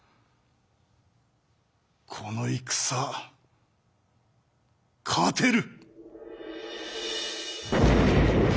この戦勝てる！